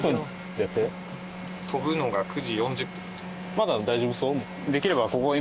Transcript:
まだ大丈夫そう？